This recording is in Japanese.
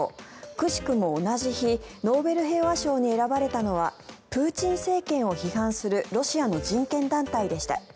くしくも同じ日ノーベル平和賞に選ばれたのはプーチン政権を批判するロシアの人権団体でした。